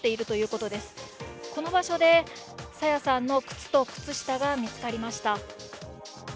この場所で朝芽さんの靴と靴下が見つかりました。